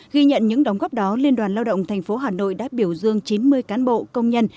ghi nhận những đóng góp đó liên đoàn lao động tp hà nội đã biểu dương chín mươi cán bộ công nhân